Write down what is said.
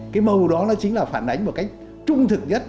cái màu đó nó chính là phản ánh một cách trung thực nhất